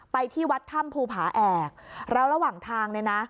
ที่วัดถ้ำภูผาแอกแล้วระหว่างทางเนี่ยนะ